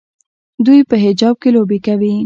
دوی په حجاب کې لوبې کوي.